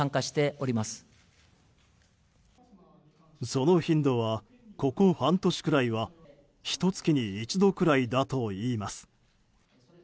その頻度はここ半年くらいはひと月に一度くらいだといいます。